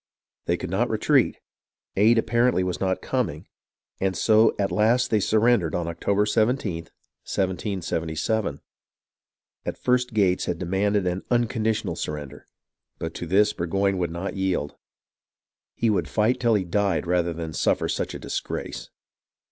They could not retreat, aid apparently was not coming, and so at last tJicy surrendered OqX.o\)^x 17th, 1777. At first Gates had demanded an unconditional surrender, but to this Burgoyne would not yield. He would fight till he died rather than suffer such disgrace.